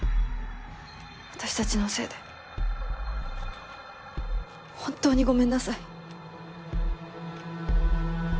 私たちのせいで本当にごめんなさい。